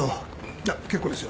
じゃあ結構ですよ。